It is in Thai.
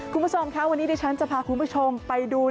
คุณผู้ชมค่ะวันนี้ดิฉันจะพาคุณผู้ชมไปดู